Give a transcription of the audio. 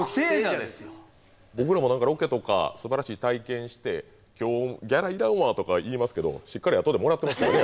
僕らも何かロケとかすばらしい体験して「今日ギャラいらんわ」とか言いますけどしっかり後でもらってますからね。